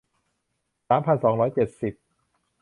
สามพันสองร้อยเจ็ดสิบ